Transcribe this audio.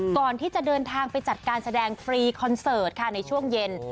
ก่อนที่จะเดินทางไปจัดการแสดงฟรีคอนเสิร์ตค่ะในช่วงเย็น